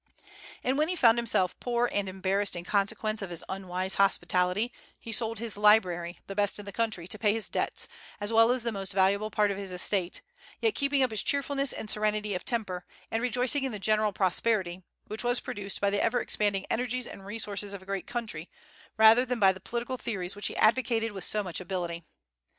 And when he found himself poor and embarrassed in consequence of his unwise hospitality, he sold his library, the best in the country, to pay his debts, as well as the most valuable part of his estate, yet keeping up his cheerfulness and serenity of temper, and rejoicing in the general prosperity, which was produced by the ever expanding energies and resources of a great country, rather than by the political theories which he advocated with so much ability.